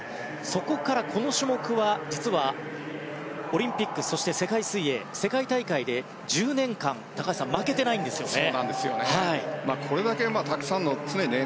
そこから、この種目は、実はオリンピックそして世界水泳世界大会で１０年間高橋さん負けてないんですよね。